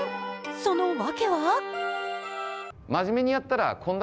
その訳は？